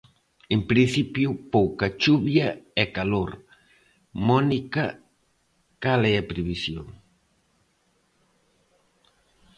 En principio pouca chuvia e calor, Mónica cal é a previsión?